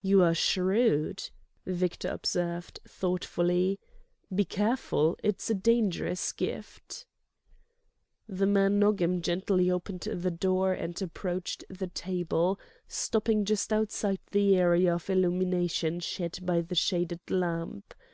"You are shrewd," Victor observed, thoughtfully. "Be careful: it is a dangerous gift." The man Nogam gently opened the door and approached the table, stopping just outside the area of illumination shed by the shaded lamp.